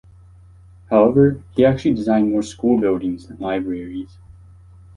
However, he actually designed more school buildings than libraries.